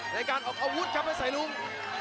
ในการออกอาวุธครับไปใส่ลูก